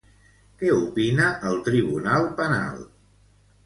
Què opina el tribunal penal?